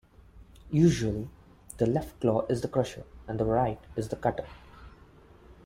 Usually, the left claw is the crusher, and the right is the cutter.